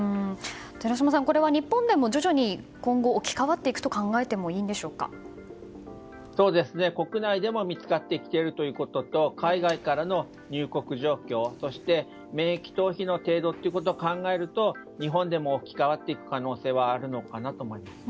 寺嶋さん、これは日本でも徐々に今後置き換わっていくと国内でも見つかってきているということと海外からの入国状況そして免疫逃避の程度を考えると日本でも置き換わっていく可能性はあると思います。